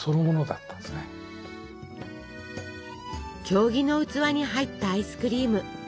経木の器に入ったアイスクリーム。